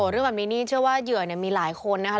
เรื่องแบบนี้นี่เชื่อว่าเหยื่อมีหลายคนนะคะ